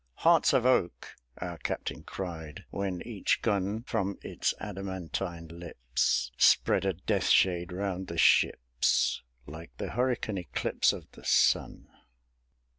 "Hearts of oak!" our captains cried; when each gun From its adamantine lips Spread a death shade round the ships, Like the hurricane eclipse Of the sun.